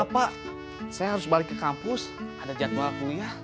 pak saya harus balik ke kampus ada jadwal kuliah